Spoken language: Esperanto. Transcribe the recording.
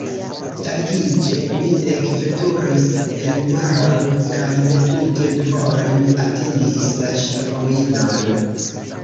Tagiĝe, mi ekveturis enmaron kaj netute duhore, mi atingis la ŝipruinon.